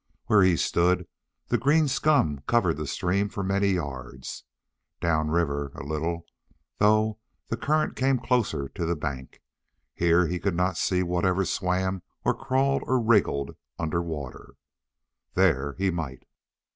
Where he stood, the green scum covered the stream for many yards. Down river a little, though, the current came closer to the bank. Here he could not see whatever swam or crawled or wriggled underwater; there he might.